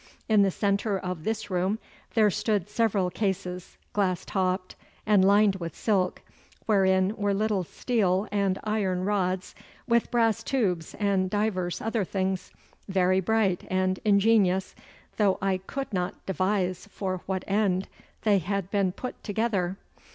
In the centre of this room there stood several cases, glass topped and lined with silk, wherein were little steel and iron rods, with brass tubes and divers other things, very bright and ingenious, though I could not devise for what end they had been put together.